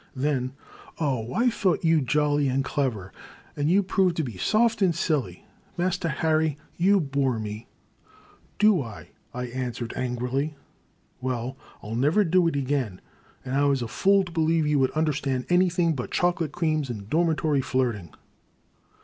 Then, "Oh, I thought you jolly and clever, and you prove to be soft and silly ! Mas ter Harry, you bore me !" "Do I ?" I answered angrily. " Well, I '11 never do it again, and I was a fool to believe you would understand an3rthing but chocolate creams and dormitory flirting